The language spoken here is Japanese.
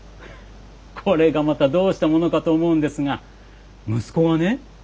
これがまたどうしたものかと思うんですが息子がね